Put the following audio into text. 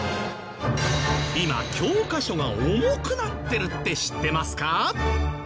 今教科書が重くなってるって知ってますか？